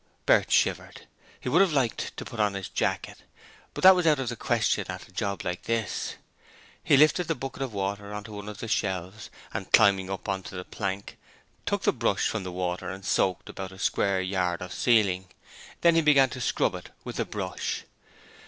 Bert shivered: he would like to have put his jacket on, but that was out of the question at a job like this. He lifted the bucket of water on to one of the shelves and, climbing up on to the plank, took the brush from the water and soaked about a square yard of the ceiling; then he began to scrub it with the brush.